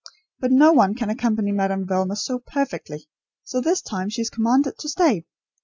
But no one can accompany Madame Velma so perfectly, so this time she is commanded to stay.